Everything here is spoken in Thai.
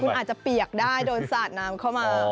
คุณอาจจะเปียกได้โดนสาดน้ำเข้ามา